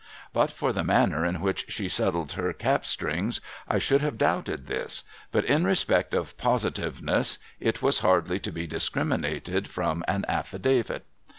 But for the manner in which she settled her cap strings, I should have doubted this ; but in respect of positiveness it was hardly to be discriminated from an affidavit.